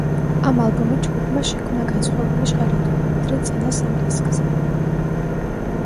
ამ ალბომით ჯგუფმა შექმნა განსხვავებული ჟღერადობა, ვიდრე წინა სამ დისკზე.